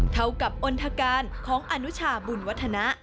เท่ากับอนทการของอนุชาบุญวัฒนะ